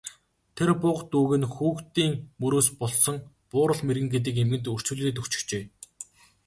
Тэр буга дүүг нь хүүхдийн мөрөөс болсон Буурал мэргэн гэдэг эмгэнд үрчлүүлээд өгчихжээ.